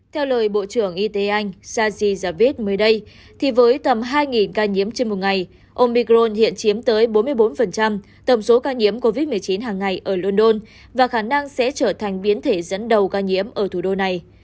theo lời bộ trưởng y tế anh saji javid mới đây thì với tầm hai ca nhiễm trên một ngày ông migron hiện chiếm tới bốn mươi bốn tổng số ca nhiễm covid một mươi chín hàng ngày ở london và khả năng sẽ trở thành biến thể dẫn đầu ca nhiễm ở thủ đô này